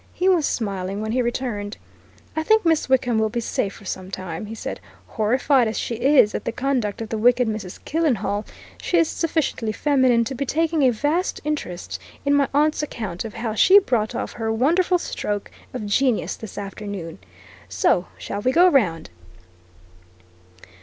He was smiling when he returned. "I think Miss Wickham will be safe for some time," he said. "Horrified as she is at the conduct of the wicked Mrs. Killenhall, she is sufficiently feminine to be taking a vast interest in my aunt's account of how she brought off her wonderful stroke of genius this afternoon. So shall we go round?"